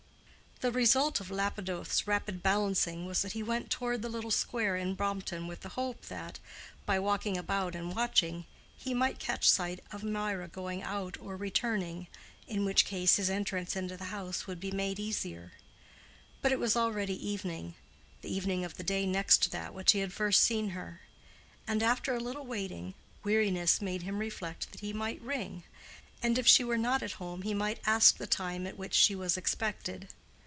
The result of Lapidoth's rapid balancing was that he went toward the little square in Brompton with the hope that, by walking about and watching, he might catch sight of Mirah going out or returning, in which case his entrance into the house would be made easier. But it was already evening—the evening of the day next to that which he had first seen her; and after a little waiting, weariness made him reflect that he might ring, and if she were not at home he might ask the time at which she was expected.